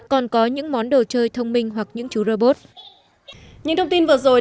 còn có những món đồ chơi thông minh hoặc những chú robot